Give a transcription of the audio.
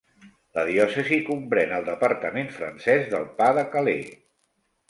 La diòcesi comprèn el departament francès del Pas de Calais.